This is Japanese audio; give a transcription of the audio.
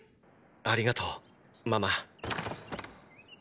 ありがとうママ。